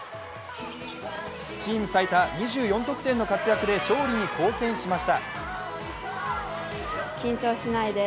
チーム最多２４得点の活躍で勝利に貢献しました。